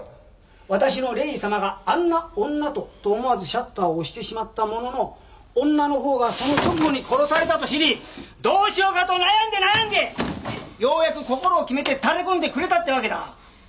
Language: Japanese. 私の礼二様があんな女とと思わずシャッターを押してしまったものの女のほうがその直後に殺されたと知りどうしようかと悩んで悩んでようやく心を決めて垂れ込んでくれたってわけだ。